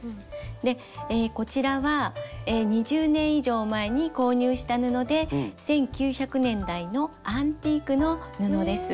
でこちらは２０年以上前に購入した布で１９００年代のアンティークの布です。